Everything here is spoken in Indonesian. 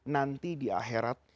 nanti di akhirat